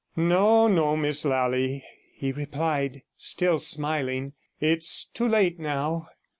69 'No, no, Miss Lally,' he replied, still smiling, 'it's too late now.